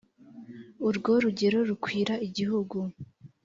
urwo rugero rukwira igihugu